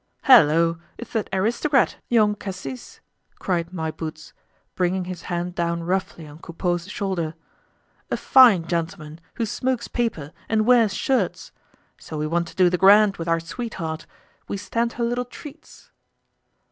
"Hallo! It's that aristocrat, Young Cassis!" cried My Boots, bringing his hand down roughly on Coupeau's shoulder. "A fine gentleman, who smokes paper, and wears shirts! So we want to do the grand with our sweetheart; we stand her little treats!"